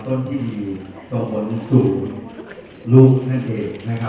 ศแล้วก็แค่ทำทีมกันแหละ